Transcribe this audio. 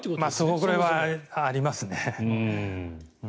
それはありますね。